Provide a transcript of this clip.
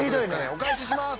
お返しします！